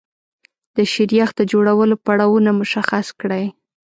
د شیریخ د جوړولو پړاوونه مشخص کړئ.